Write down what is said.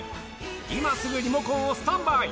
今すぐリモコンをスタンバイ。